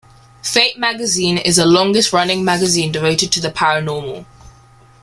"Fate" magazine is the longest-running magazine devoted to the paranormal.